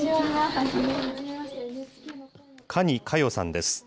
可児佳代さんです。